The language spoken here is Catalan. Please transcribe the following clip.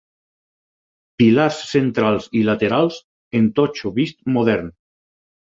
Pilars centrals i laterals en totxo vist modern.